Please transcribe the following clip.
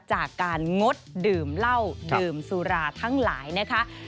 จากการงดดื่มเหล้าดื่มสุราทั้งหลายนะคะ